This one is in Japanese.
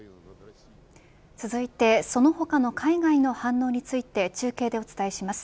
続いてその他の海外の反応について中継でお伝えします。